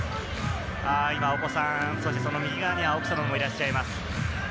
今、お子さん、そしてその右側には奥様もいらっしゃいます。